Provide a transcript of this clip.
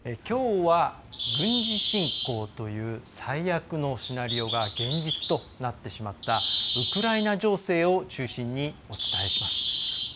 きょうは、軍事侵攻という最悪のシナリオが現実となってしまったウクライナ情勢を中心にお伝えします。